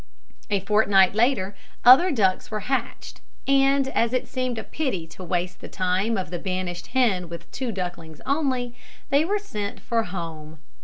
A fortnight later other ducks were hatched, and as it seemed a pity to waste the time of the banished hen with two ducklings only, they were sent for home.